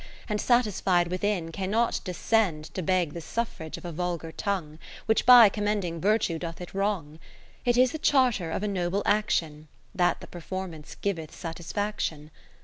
And satisfied within, cannot descend To beg the suffrage of a vulgar tongue. Which by commending Virtue doth it wrong. ^o It is the charter of a noble action, That the performance giveth satis faction.